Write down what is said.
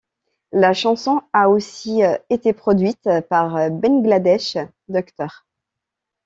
La chanson a aussi été produite par Bangladesh, Dr.